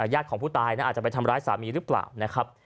ญาติของผู้ตายอาจจะไปทำร้ายสามีหรือเปล่านะครับ